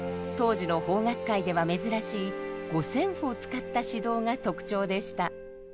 当時の邦楽界では珍しい五線譜を使った指導が特徴でした。